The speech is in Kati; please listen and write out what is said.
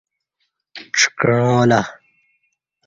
ڄکعاں لہ